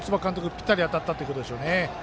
ピッタリ当たったということでしょうね。